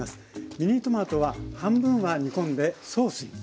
ミニトマトは半分は煮込んでソースに。